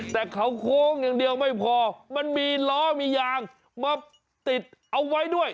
แต่เขาโค้งอย่างเดียวไม่พอมันมีล้อมียางมาติดเอาไว้ด้วย